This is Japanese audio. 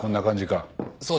そうです。